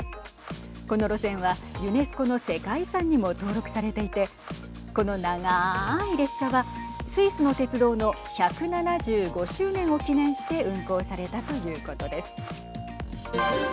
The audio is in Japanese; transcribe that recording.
この路線はユネスコの世界遺産にも登録されていてこの長い列車はスイスの鉄道の１７５周年を記念して運行されたということです。